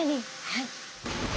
はい。